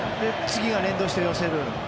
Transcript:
次も連動して寄せる。